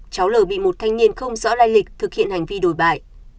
cháu l bị một thanh niên không rõ lai lịch thực hiện hành vi đổi bại